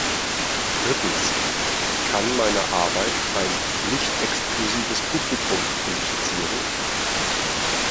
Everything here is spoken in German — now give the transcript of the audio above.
Drittens: Kann meine Arbeit ein 'Nicht-exklusives Publikum' implizieren?